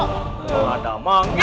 gak ada emang